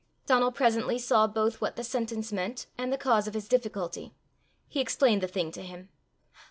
Donal presently saw both what the sentence meant and the cause of his difficulty. He explained the thing to him.